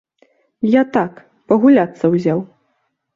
Я так, пагуляцца ўзяў.